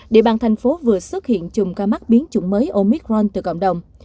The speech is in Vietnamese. địa bàn thành phố vừa xuất hiện chùm ca mắc biến chủng mới omicron từ cộng đồng